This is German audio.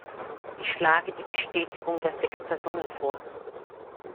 Ich schlage die Bestätigung der sechs Personen vor.